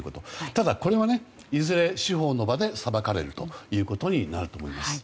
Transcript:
ただ、これはいずれ司法の場で裁かれることになると思います。